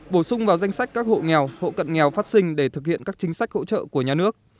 bổ sung vào danh sách các hộ nghèo hộ cận nghèo phát sinh để thực hiện các chính sách hỗ trợ của nhà nước